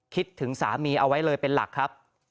คิดถึงสามีเอาไว้เลยเป็นหลักครับ